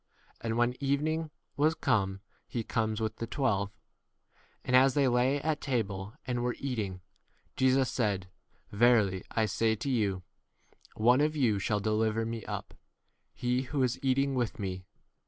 And when evening was come, he comes 18 with the twelve. And as they lay at [table] and were eating, Jesus said, Verily I say to you, One of you shall deliver me up ; 19 he who is eating with me.